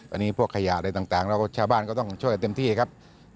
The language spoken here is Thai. อันนี้พวกขยะอะไรต่างเราก็ชาวบ้านก็ต้องช่วยกันเต็มที่ครับ